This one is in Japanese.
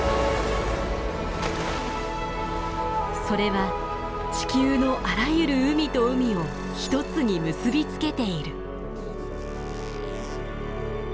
それは地球のあらゆる海と海を一つに結び付けている。